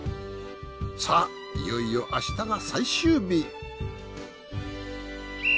さあいよいよ明日が最終日。